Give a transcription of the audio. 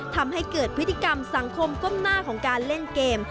ทำให้เกิดพฤติกรรมสังคมก้มหน้าของการเล่นเกม